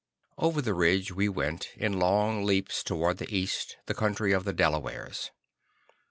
Over the ridge we went, in long leaps toward the east, the country of the Delawares.